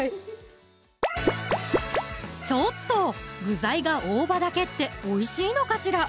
具材が大葉だけっておいしいのかしら？